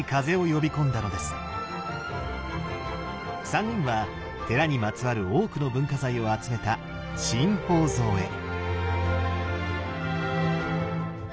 三人は寺にまつわる多くの文化財を集めた新宝蔵へ。